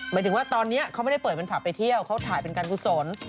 หมายถึงว่าตอนนี้เขาไม่ได้เปิดเป็นผับไปเที่ยวเขาถ่ายเป็นการกุศล